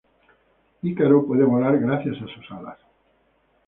Ícaro puede volar gracias a sus alas.